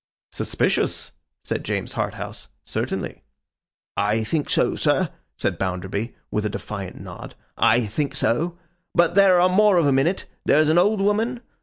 'Suspicious,' said James Harthouse, 'certainly.' 'I think so, sir,' said Bounderby, with a defiant nod. 'I think so. But there are more of 'em in it. There's an old woman.